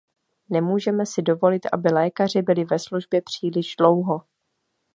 Nemůžeme si dovolit, aby lékaři byli ve službě příliš dlouho.